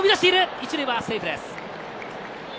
１塁はセーフです。